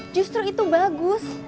justru itu bagus